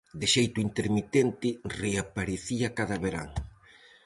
De xeito intermitente, reaparecía cada verán.